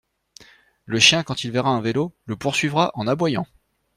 Le chien, quand il verra un vélo, le poursuivra en aboyant.